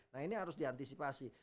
nah ini harus diantisipasi